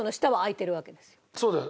そうだよ。